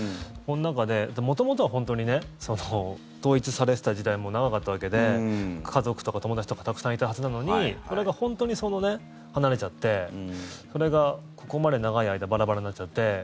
この中で、元々は本当に統一されていた時代も長かったわけで家族とか友達とかたくさんいたはずなのにこれが本当に離れちゃってそれがここまで長い間バラバラになっちゃって。